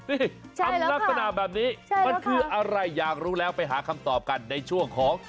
นี่ทำลักษณะแบบนี้มันคืออะไรอยากรู้แล้วไปหาคำตอบกันในช่วงของ